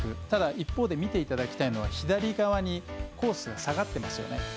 ただ、一方見ていただきたいのは左側にコースが下がっていますよね。